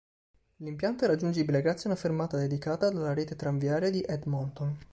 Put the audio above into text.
L'impianto è raggiungibile grazie a una fermata dedicata della Rete tranviaria di Edmonton.